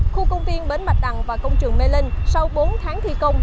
khu công viên bến bạch đằng và công trường mê linh sau bốn tháng thi công